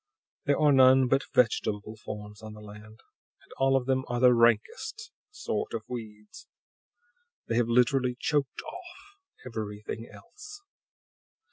There are none but vegetable forms on the land, and all of them are the rankest sort of weeds. They have literally choked off everything else!